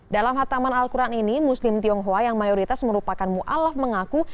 dalam khataman al quran ini muslim tionghoa yang mayoritas merupakan mu'alaf mengaku